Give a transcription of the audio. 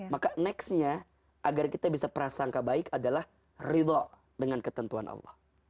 maka nextnya agar kita bisa prasangka baik adalah ridho dengan ketentuan allah